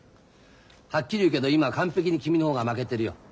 はっきり言うけど今完璧に君の方が負けてるよ。